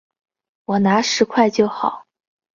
我拿十块就好